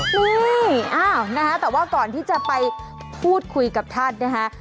นี่อ้าวนะคะแต่ว่าก่อนที่จะไปพูดคุยกับท่านนะคะ